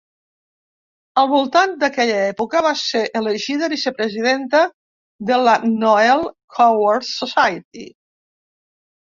Al voltant d'aquella època, va ser elegida vicepresidenta de la Noel Coward Society.